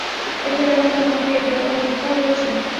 একটা মেয়ের কথায় আমাকে দেয়া কথা প্রত্যাহার করেছ।